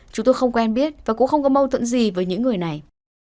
chúng tôi không quen biết và cũng không có mâu thuẫn gì với những người này